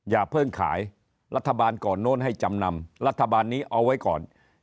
อย่าเพิ่งขายรัฐบาลก่อนโน้นให้จำนำรัฐบาลนี้เอาไว้ก่อน